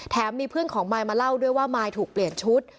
มีเพื่อนของมายมาเล่าด้วยว่ามายถูกเปลี่ยนชุด